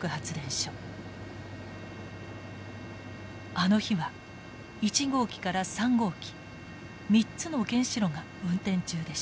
あの日は１号機から３号機３つの原子炉が運転中でした。